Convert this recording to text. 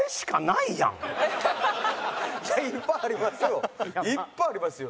いっぱいありますよ。